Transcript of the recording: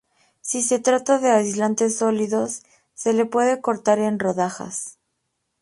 Si se trata de aislantes sólidos, se los puede cortar en rodajas.